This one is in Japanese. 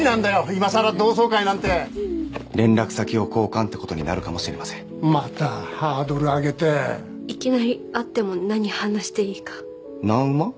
今さら同窓会なんて連絡先を交換ってことになるかもしれませんまたハードル上げていきなり会っても何話していいかナンウマ？